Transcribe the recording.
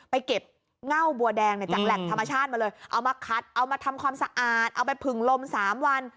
เก็บเง่าบัวแดงจากแหล่งธรรมชาติมาเลยเอามาคัดเอามาทำความสะอาดเอาไปผึ่งลม๓วัน